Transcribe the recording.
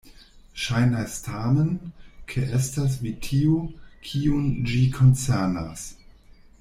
Ŝajnas tamen, ke estas vi tiu, kiun ĝi koncernas.